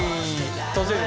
閉じる。